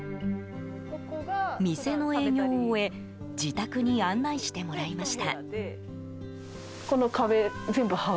店の営業を終え自宅に案内してもらいました。